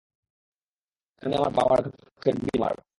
সেখানে আমি আমার বাবার ঘাতককে ডুবিয়ে মারবো।